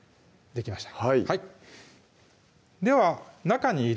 僕きました